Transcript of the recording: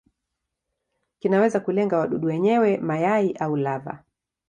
Kinaweza kulenga wadudu wenyewe, mayai au lava.